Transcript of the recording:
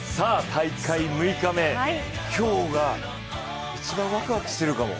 大会６日目、今日が一番わくわくしてるかも。